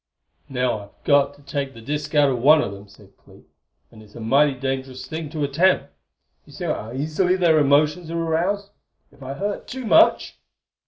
"Now I've got to take the disk out of one of them," said Clee, "and it's a mighty dangerous thing to attempt! You see how easily their emotions are aroused. If I hurt too much